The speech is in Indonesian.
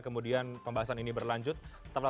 kemudian pembahasan ini berlanjut setelah